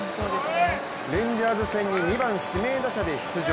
レンジャーズ戦に２番・指名打者で出場。